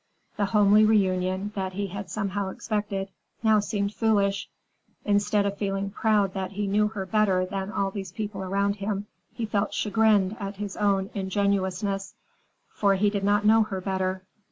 The homely reunion, that he had somehow expected, now seemed foolish. Instead of feeling proud that he knew her better than all these people about him, he felt chagrined at his own ingenuousness. For he did not know her better.